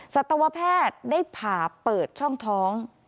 สัตวแพทย์ได้ผ่าเปิดช่องท้อง